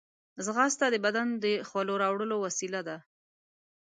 ځغاسته د بدن د خولو راوړلو وسیله ده